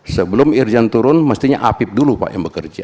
sebelum irjen turun mestinya apip dulu pak yang bekerja